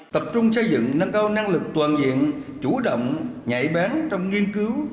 tập trung xây dựng nâng cao năng lực toàn diện chủ động nhạy bán trong nghiên cứu